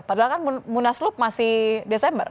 padahal kan munaslup masih desember